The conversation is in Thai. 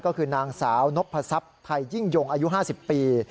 ก็คือนางสาวนพศัพย์ไทยยิ่งยงอายุ๕๐ปี